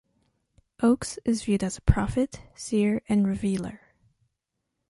Oaks is viewed as a prophet, seer and revealer.